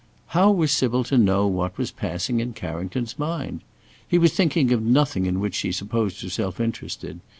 How was Sybil to know what was passing in Carrington's mind? He was thinking of nothing in which she supposed herself interested.